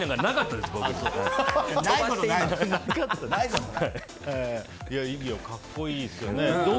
でも格好いいですよね。